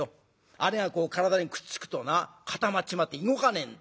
あれが体にくっつくとな固まっちまって動かねえんだ。